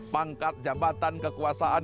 pangkat jabatan kekuasaan